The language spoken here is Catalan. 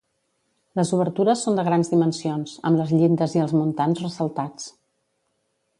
Les obertures són de grans dimensions, amb les llindes i els muntants ressaltats.